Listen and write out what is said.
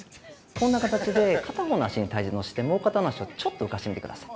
こんな形で、片方の足に体重を乗せてもう片方の足をちょっと浮かせてみてください。